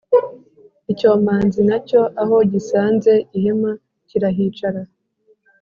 icyomanzi na cyo aho gisanze ihema kirahicara,